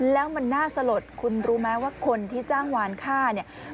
แล้วมันน่าสลดคุณรู้ไหมว่าคนที่จ้างวานค่าเนี่ย